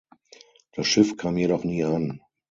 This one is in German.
Das Schiff kam jedoch nie an.